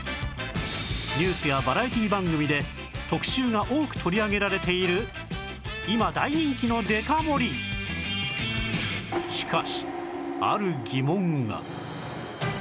ニュースやバラエティー番組で特集が多く取り上げられているなぜデカ盛りなのに安いのか？